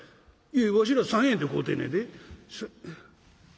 「いやわしら３円で買うてんねやで」。